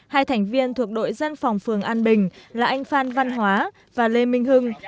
hai thành viên thuộc đội dân phòng phường an bình là anh phan văn hóa và lê minh hưng